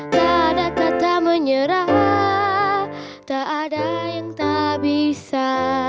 tak ada kata menyerah tak ada yang tak bisa